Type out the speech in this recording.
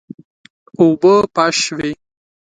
اوبه پاش شوې.